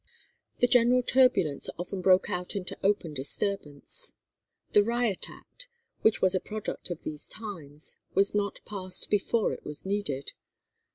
The general turbulence often broke out into open disturbance. The Riot Act, which was a product of these times, was not passed before it was needed.